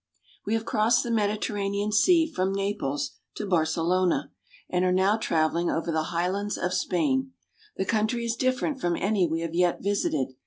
WE have crossed the Mediterranean Sea from Naples to Barcelona, and are now traveling over the high lands of Spain. The country is different from any we have yet visited.